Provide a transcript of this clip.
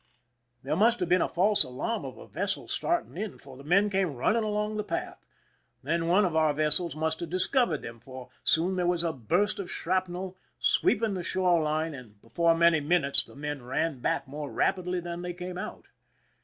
There must have been a false alarm of a vessel starting in, for the men came running along the path. Then one of our vessels must have discovered them, for soon there was a burst of shrapnel, sweeping the shore line, and before many minutes the men ran back more rapidly than they came out.